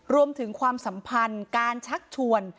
รวมถึงความสัมพันธ์การชักชวน